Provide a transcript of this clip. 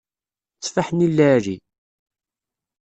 Tteffaḥ-nni lɛali.